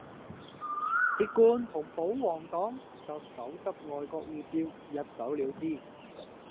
啲官同保皇黨就手執外國護照一走了之